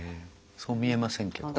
そう見えませんけどね。